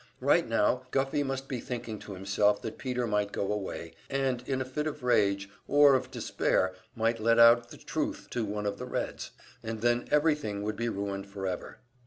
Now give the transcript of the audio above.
Right now, Guffey must be thinking to himself that Peter might go away, and in a fit of rage or of despair might let out the truth to one of the Reds, and then everything would be ruined forever.